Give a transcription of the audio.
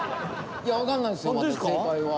いや分かんないですよ正解は。